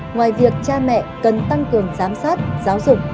ngoài việc cha mẹ cần tăng cường giám sát giáo dục